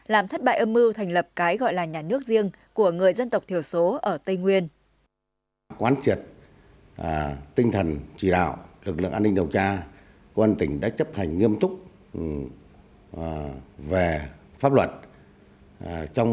làm thất bại âm mưu thành lập cái gọi là nhà nước riêng của người dân tộc thiểu số ở tây nguyên